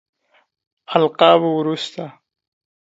القابو وروسته.